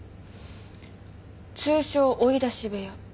通称追い出し部屋。